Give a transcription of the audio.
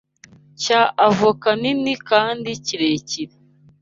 cya avoka kinini kandi kirekire